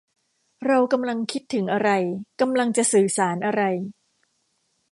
เรากำลังคิดถึงอะไร กำลังจะสื่อสารอะไร